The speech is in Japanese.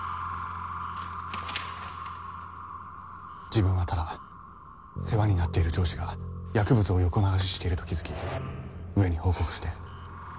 自分はただ世話になっている上司が薬物を横流ししていると気付き上に報告して。